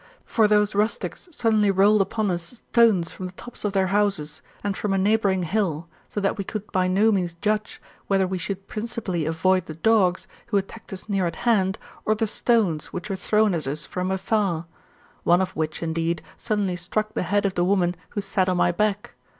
For those rustics suddenly rolled upon us stones from the tops of their houses, and from a neighbouring hill, so that we could by no means judge, whether we should principally avoid the dogs, who attacked us near at hand, or the stones, which were thrown at us from afar; one of which, indeed, suddenly struck the head of the woman who sat on my back.